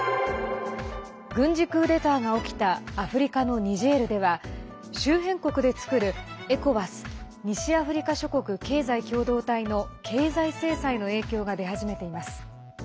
軍事クーデターが起きたアフリカのニジェールでは周辺国で作るＥＣＯＷＡＳ＝西アフリカ諸国経済共同体の経済制裁の影響が出始めています。